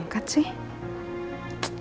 kok gak diangkat sih